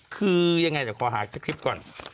คือยังไงเดี๋ยวขอหาคลิปก่อน